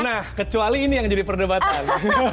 nah kecuali ini yang jadi perdebatan